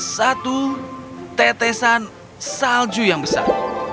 satu tetesan salju yang besar